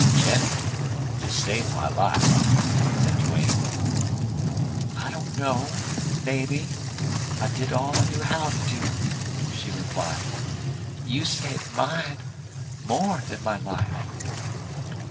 "Jennie, you saved my life," said Duane. "I don't know. Maybe. I did all I knew how to do," she replied. "You saved mine more than my life."